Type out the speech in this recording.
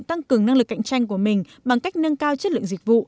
tăng cường năng lực cạnh tranh của mình bằng cách nâng cao chất lượng dịch vụ